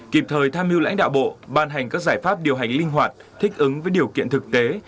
kịp thời tham mưu lãnh đạo bộ ban hành các giải pháp điều hành linh hoạt thích ứng với điều kiện thực tế